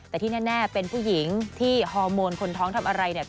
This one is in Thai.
แต่ที่แน่เป็นผู้หญิงที่ฮอร์โมนคนท้องทำอะไรเนี่ย